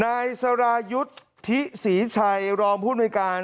นายสารายุทธิสีชัยรองพูดโดยการ